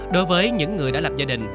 đối với những người đã lập gia đình